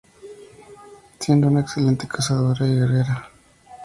Siendo una excelente cazadora y guerrera.